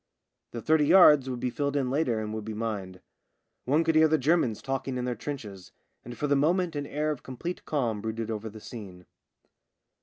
The thirty yards would be rilled in later and would be mined. One could hear the Ger mans talking in their trenches, and for the moment an air of complete calm brooded over the scene.